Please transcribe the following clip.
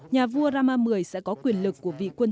nhà vua rama x sẽ có quyền lực